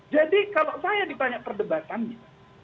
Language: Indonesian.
jadi kalau saya ditanya perdebatannya